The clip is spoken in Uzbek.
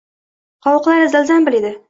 Qovoqlari zil-zambil edi.